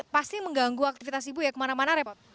pasti mengganggu aktivitas ibu ya kemana mana repot